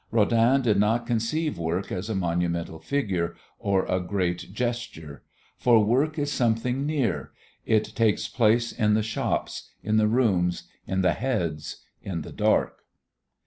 Rodin did not conceive work as a monumental figure or a great gesture; for work is something near, it takes place in the shops, in the rooms, in the heads, in the dark.